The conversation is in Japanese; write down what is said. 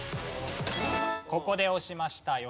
ここで押しました。